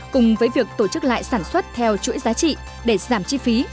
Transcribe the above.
cùng với việc tổ chức lại sản xuất theo chuỗi giá trị để giảm chi phí